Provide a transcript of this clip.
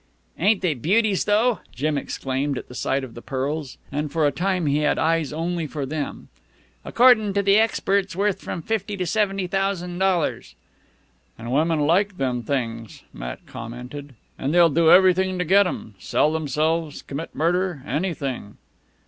"Ain't they beauties, though!" Jim exclaimed at sight of the pearls; and for a time he had eyes only for them. "Accordin' to the experts, worth from fifty to seventy thousan' dollars." "An' women like them things," Matt commented. "An' they'll do everything to get 'em sell themselves, commit murder, anything."